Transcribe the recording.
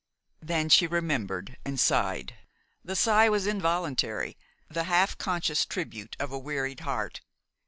Then she remembered, and sighed. The sigh was involuntary, the half conscious tribute of a wearied heart.